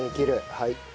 はい。